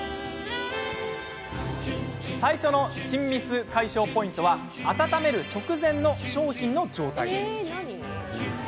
最初のチンミス解消ポイントは温める直前の商品の状態。